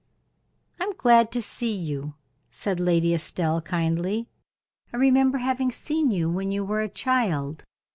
"I am glad to see you," said Lady Estelle, kindly. "I remember having seen you when you were a child."